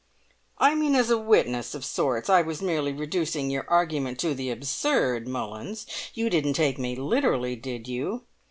"I mean as a witness of sorts. I was merely reducing your argument to the absurd, Mullins; you didn't take me literally, did you?